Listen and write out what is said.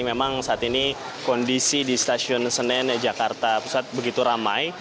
memang saat ini kondisi di stasiun senen jakarta pusat begitu ramai